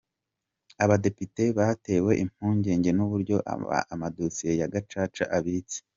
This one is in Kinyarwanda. Abadepite batewe impungenge n’uburyo amadosiye ya Gacaca abitse